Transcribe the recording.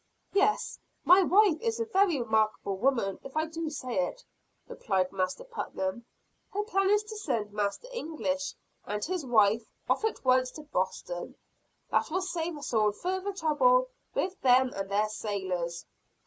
"Yes, my wife is a very remarkable woman if I do say it," replied Master Putnam. "Her plan is to send Master English and his wife off at once to Boston that will save us all further trouble with them and their sailors."